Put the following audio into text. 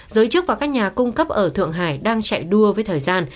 giới chức và các nhà cung cấp ở thượng hải đang chạy đua với thời gian